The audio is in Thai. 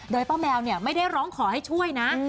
โดยป้าแมวไม่ได้ร้องขอให้ช่วยนะ